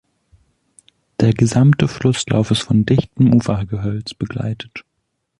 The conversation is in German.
Der gesamte Flusslauf ist von dichtem Ufergehölz begleitet.